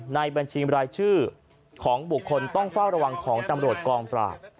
ในบัญชีรายชื่อของบุคคลต้องเฝ้าระวังของตำรวจกองปราบ